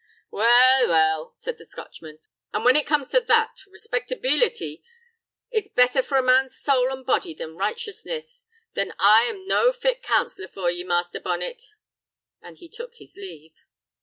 "Weel, weel," said the Scotchman; "an' when it comes that respectabeelity is better for a man's soul an' body than righteousness, then I am no fit counsellor for ye, Master Bonnet," and he took his leave.